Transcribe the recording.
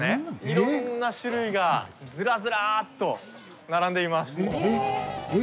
いろんな種類がずらずらーっと並んでいます。